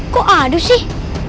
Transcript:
kok adu sih